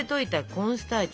コーンスターチ。